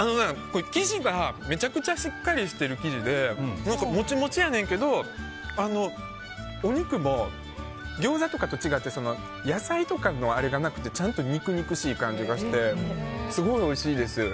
生地がめちゃくちゃしっかりしてる生地でモチモチやねんけどお肉もギョーザとかと違って野菜とかのあれがなくてちゃんと肉々しい感じがしてすごいおいしいです。